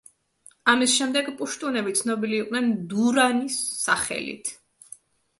ამის შემდეგ პუშტუნები ცნობილი იყვნენ დურანის სახელით.